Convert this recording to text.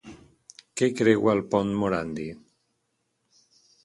Què creua el pont Morandi?